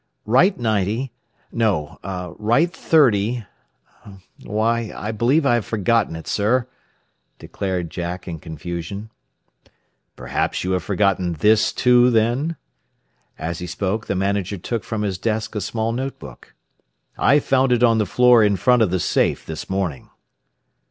"Right ninety no, right thirty Why, I believe I have forgotten it, sir," declared Jack in confusion. "Perhaps you have forgotten this too, then?" As he spoke the manager took from his desk a small notebook. "I found it on the floor in front of the safe this morning."